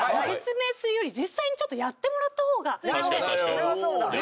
それはそうだ。